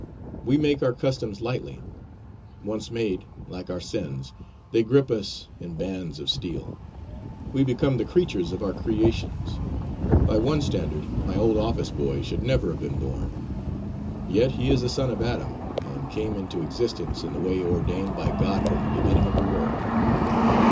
We make our customs lightly; once made, like our sins, they grip us in bands of steel; we become the creatures of our creations. By one standard my old office boy should never have been born. Yet he is a son of Adam, and came into existence in the way ordained by God from the beginning of the world.